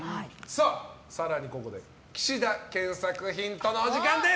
更に、ここで岸田健作ヒントのお時間です。